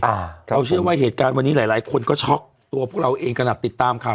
อ่าเราเชื่อว่าเหตุการณ์วันนี้หลายหลายคนก็ช็อกตัวพวกเราเองขนาดติดตามข่าว